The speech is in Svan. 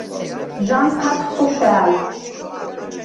ჟანჴა̈დხ ხოშა̄̈ლ.